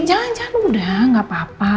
jangan jangan udah gak apa apa